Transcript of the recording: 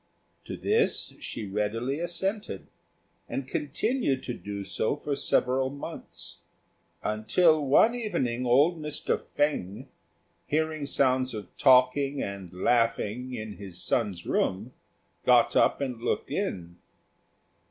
To this she readily assented, and continued to do so for several months, until one evening old Mr. Fêng, hearing sounds of talking and laughing in his son's room, got up and looked in.